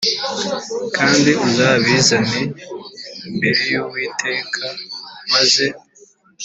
Kandi uzabizane imbere y uwiteka maze